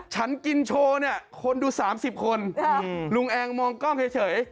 ฉันกินโชว์เนี้ยคนดูสามสิบคนอืมลุงแองมองกล้องเฉยเฉย